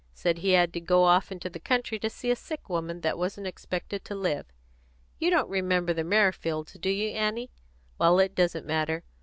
Said he had to go off into the country to see a sick woman that wasn't expected to live. You don't remember the Merrifields, do you, Annie? Well, it doesn't matter.